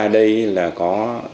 ở đây là có